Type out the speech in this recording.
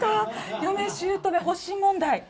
嫁しゅうとめ発しん問題。